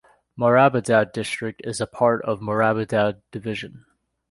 Moradabad district is a part of Moradabad division.